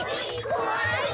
こわい！